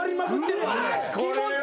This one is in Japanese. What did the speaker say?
うわ気持ちいい。